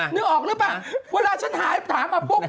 เนื้อออกหรือเปล่าเวลาฉันหาเฮ็บถามปุ๊บ